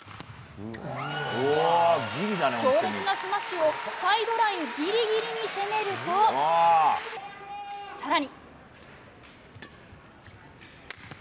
強烈なスマッシュをサイドラインギリギリに攻めると更に。